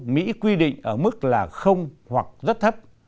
mỹ quy định ở mức là hoặc rất thấp